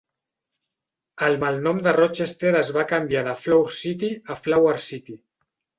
El malnom de Rochester es va canviar de Flour City a Flower City.